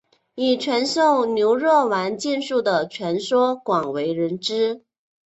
以传授牛若丸剑术的传说广为人知。